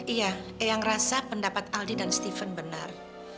iya yang ngerasa pendapat aldi dan steven benar